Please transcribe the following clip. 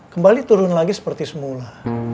kembali turun lagi seperti semula